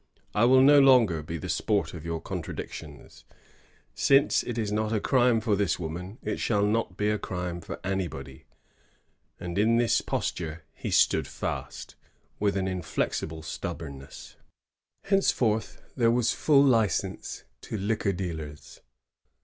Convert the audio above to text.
I will no longer be the sport of your contradictions. Since it is not a crime for this woman, it shall not be a crime for anybody." ^ And in this posture he stood fast, with an inflexible stubbornness. Henceforth there was full license to liquor dealers.